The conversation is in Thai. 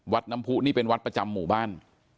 วัดน้ำพูนี้เป็นวัดประจำมู่บ้าน